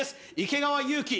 池川勇気